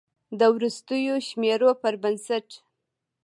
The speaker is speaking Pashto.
د وروستیو شمیرو پر بنسټ